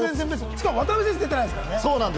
しかも、渡邊選手、出てないですからね。